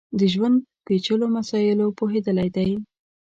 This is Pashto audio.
د ژوند پېچلیو مسایلو پوهېدلی دی.